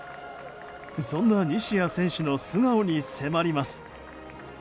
そんな西矢選手の素顔に迫ります。